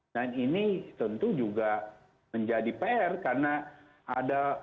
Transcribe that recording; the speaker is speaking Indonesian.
dan ini tentu juga menjadi pr karena ada